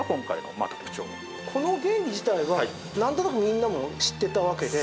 この原理自体はなんとなくみんなも知っていたわけで。